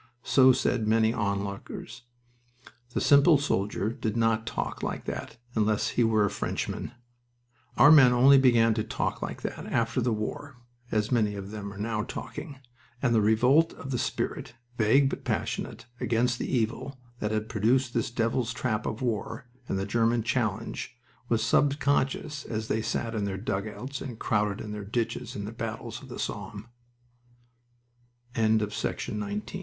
So said many onlookers. The simple soldier did not talk like that unless he were a Frenchman. Our men only began to talk like that after the war as many of them are now talking and the revolt of the spirit, vague but passionate, against the evil that had produced this devil's trap of war, and the German challenge, was subconscious as they sat in their dugouts and crowded in their ditches in the battles of the Somme. PART SEVEN. THE FIELDS OF ARM